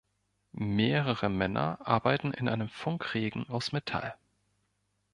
Mehrere Männer arbeiten in einem Funkenregen aus Metall.